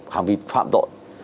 hành vi phạm tội